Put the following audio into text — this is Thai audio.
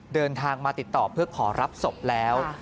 เดินทางมาติดต่อเพื่อขอรับศพแล้ว